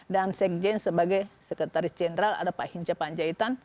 sekjen sebagai sekretaris jenderal ada pak hinca panjaitan